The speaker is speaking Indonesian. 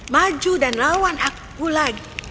maju dan lawan aku lagi